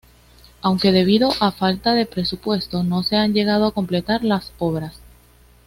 Aunque, debido a falta de presupuesto, no se han llegado a completar las obras.